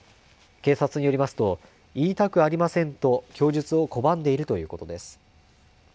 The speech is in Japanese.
警察によりますと言いたくありませんと供述を拒んでいるということです。